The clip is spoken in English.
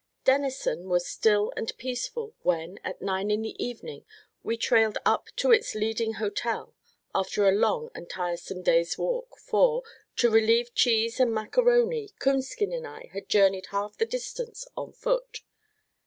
_ Dennison was still and peaceful when, at nine in the evening, we trailed up to its leading hotel, after a long and tiresome day's walk, for, to relieve Cheese and Mac A'Rony, Coonskin and I had journeyed half the distance on foot.